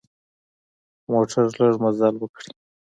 موټر لږ مزل وکړي.